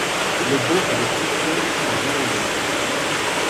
Le dos et le croupion sont vert olive.